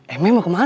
emek mau kemana